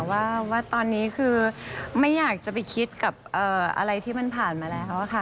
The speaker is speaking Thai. ว่าตอนนี้คือไม่อยากจะไปคิดกับอะไรที่มันผ่านมาแล้วค่ะ